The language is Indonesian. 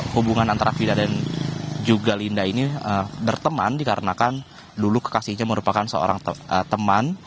hubungan antara fida dan juga linda ini berteman dikarenakan dulu kekasihnya merupakan seorang teman